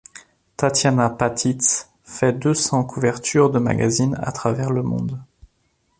Tatjana Patitz fait deux cents couvertures de magazines à travers le monde.